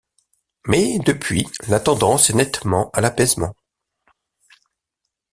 Mais, depuis, la tendance est nettement à l'apaisement.